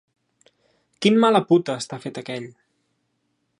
Quin mala puta està fet aquell!